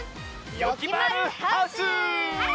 「よきまるハウス」！